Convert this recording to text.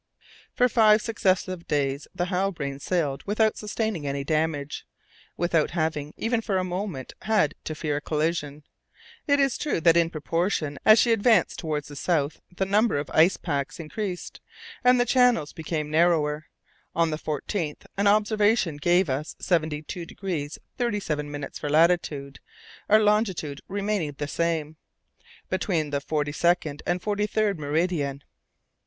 For five successive days the Halbrane sailed without sustaining any damage, without having, even for a moment, had to fear a collision. It is true that in proportion as she advanced towards the south the number of ice packs increased and the channels became narrower. On the 14th an observation gave us 72° 37' for latitude, our longitude remaining the same, between the forty second and the forty third meridian.